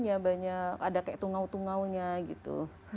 ada kayak tungau tungaunya gitu